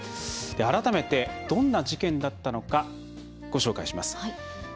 改めて、どんな事件だったのかご紹介します。